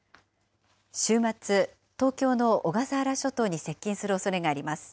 週末、東京の小笠原諸島に接近するおそれがあります。